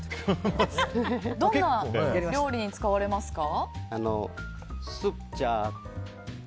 どんな料理に使われますか？